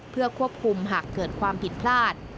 เพื่อควบคุมหากเกิดความผิดพลาด